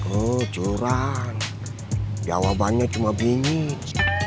oh curang jawabannya cuma bingit